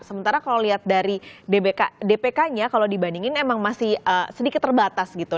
sementara kalau lihat dari dpk nya kalau dibandingin emang masih sedikit terbatas gitu